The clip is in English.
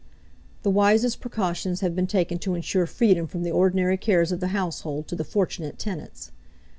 The wisest precautions have been taken to insure freedom from the ordinary cares of the household to the fortunate tenants.